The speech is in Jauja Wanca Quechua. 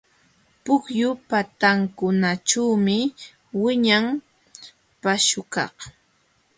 Pukyu patankunaćhuumi wiñan paśhukaq.